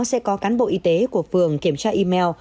sẽ có cán bộ y tế của phường kiểm tra email